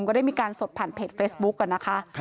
ก็ได้มีการสดผ่านเพจเฟซบุ๊กนะคะ